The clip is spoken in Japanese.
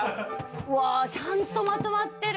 ちゃんとまとまってる。